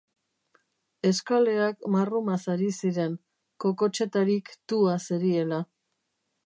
Eskaleak marrumaz ari ziren, kokotsetarik tua zeriela.